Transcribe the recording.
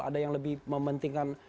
ada yang lebih mementingkan